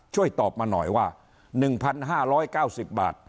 ช่วยตอบมาหน่อยว่าหนึ่งพันห้าร้อยเก้าสิบบาท